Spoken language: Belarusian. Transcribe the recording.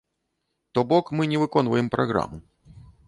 То бок мы не выконваем праграму.